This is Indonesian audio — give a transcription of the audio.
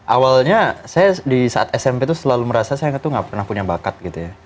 awalnya saya disaat smp itu selalu merasa saya itu nggak pernah punya bakat gitu ya